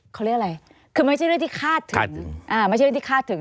เขาเรียกอะไรคือมันไม่ใช่เรื่องที่คาดถึง